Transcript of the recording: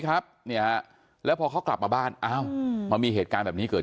ครับเนี่ยแล้วพอเขากลับมาบ้านอ้าวมันมีเหตุการณ์แบบนี้เกิด